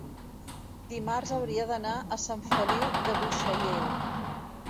dimarts hauria d'anar a Sant Feliu de Buixalleu.